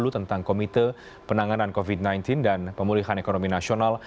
tentang komite penanganan covid sembilan belas dan pemulihan ekonomi nasional